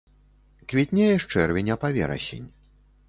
Квітнее з чэрвеня па верасень.